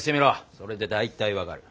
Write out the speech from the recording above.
それで大体分かる。